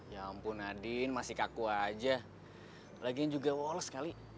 ya ampun nadine masih kaku aja lagian juga wo wo les kali